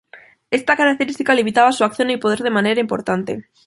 Esta característica limitaba su acción y poder de manera importante.